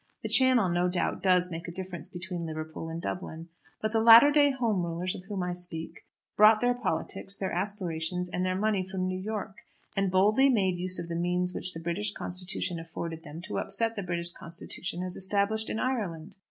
The Channel no doubt does make a difference between Liverpool and Dublin. But the latter day Home Rulers, of whom I speak, brought their politics, their aspirations, and their money from New York, and boldly made use of the means which the British Constitution afforded them to upset the British Constitution as established in Ireland.